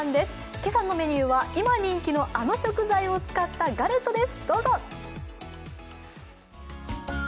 今朝のメニューは、今人気のあの食材を使ったガレットです。